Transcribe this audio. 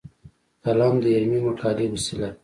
قلم د علمي مقالې وسیله ده